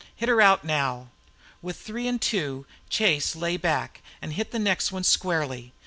hit her out now!" With three and two Chase lay back and hit the next one squarely.